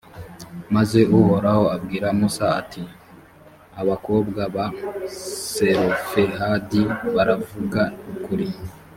maze uhoraho abwira musa, ati abakobwa ba selofehadi baravuga ukuri.